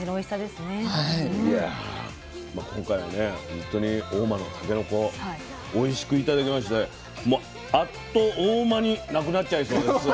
本当に合馬のたけのこおいしく頂きましてもう「あっと合馬」に無くなっちゃいそうです。